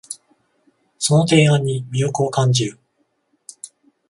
その提案に魅力を感じる